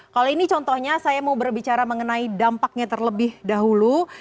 kalau ini contohnya saya mau berbicara mengenai dampaknya terlebih dahulu